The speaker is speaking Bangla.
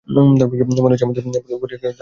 মনে হচ্ছে আমার মতোই দারুণ এক প্রতিপক্ষ পেয়েছি।